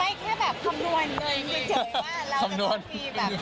อะไรอย่างเงี้ยคือแบบมันก็มีคุยเรื่องปุ๊บจะต้องวางแผนเรื่องการเงิน